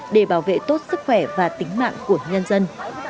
để bảo vệ tốt sức khỏe và tính mạng của nhân dân